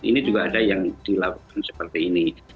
ini juga ada yang dilakukan seperti ini